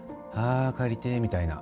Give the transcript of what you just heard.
あー帰りてーみたいな。